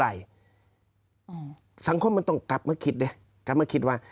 สังคมมันต้องกลับมาคิดดิกลับมาคิดว่า